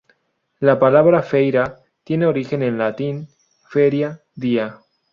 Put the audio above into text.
La palabra 'feira' tiene origen en el latín 'feria', día.